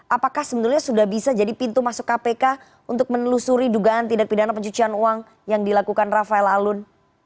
apakah sebenarnya sudah bisa jadi pintu masuk kpk untuk menelusuri dugaan tindak pidana pencucian uang yang dilakukan rafael alun